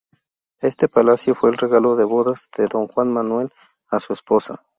Este palacio fue el regalo de bodas, de Don Juan Manuel, a su esposa.